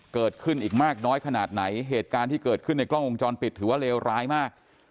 เกิดขึ้นอีกมากน้อยขนาดไหนเหตุการณ์ที่เกิดขึ้นในกล้องวงจรปิดถือว่าเลวร้ายมาก